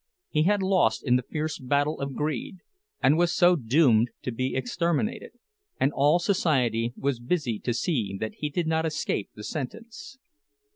He had lost in the fierce battle of greed, and so was doomed to be exterminated; and all society was busied to see that he did not escape the sentence.